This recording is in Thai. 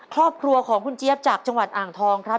ครอบครัวของคุณเจี๊ยบจากจังหวัดอ่างทองครับ